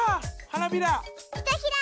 花びら！